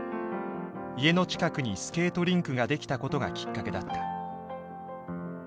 家の近くにスケートリンクが出来たことがきっかけだった。